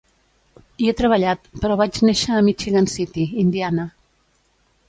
Hi he treballat, però vaig néixer a Michigan City, Indiana.